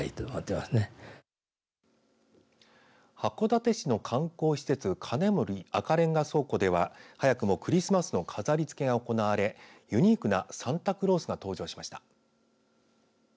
函館市の観光施設金森赤レンガ倉庫では早くもクリスマスの飾りつけが行われユニークなサンタクロースが登場しました。